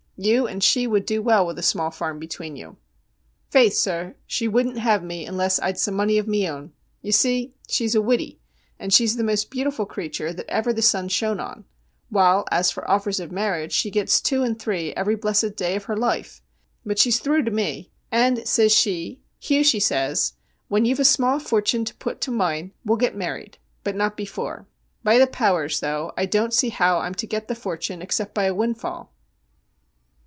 You and she would do well with a small farm between you.' ' Faix, sir, she wouldn't have me unless I'd some money of me own. You see, she's a widdy, and she's the most beautiful creature that ever the sun shone on ; while, as for offers of marriage, she gets two an' three every blessed day of her loife. But she's thrue to me, and, says she, Hugh, she says, when you've a small fortun' to put to moine we'll get married, but not before. Be the powers, though, I don't see how I'm to get the fortun' except by a windfall.'